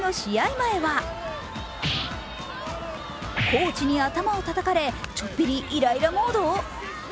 前はコーチにたたかれ、ちょっぴりイライラモード？